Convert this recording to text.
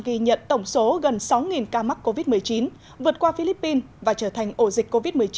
ghi nhận tổng số gần sáu ca mắc covid một mươi chín vượt qua philippines và trở thành ổ dịch covid một mươi chín